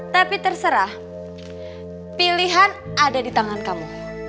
tapi terserah pilihan ada di tangan kamu